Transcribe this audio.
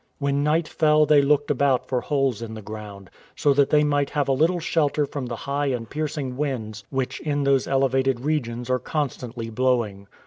When night fell they looked about for holes in the ground, so that they might have a little shelter from the high and piercing winds which in those elevated regions are constantly blowing.